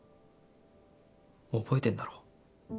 覚えてんだろ